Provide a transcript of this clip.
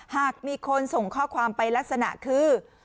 หากมีคนส่งข้อความไปลักษณะคือ